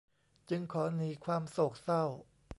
จึงขอหนีความโศกเศร้า